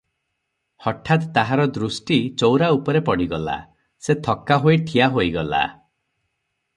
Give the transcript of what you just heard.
ହଠାତ୍ ତାହାର ଦୃଷ୍ଟି ଚଉରା ଉପରେ ପଡ଼ିଗଲା, ସେ ଥକାହୋଇ ଠିଆ ହୋଇଗଲା ।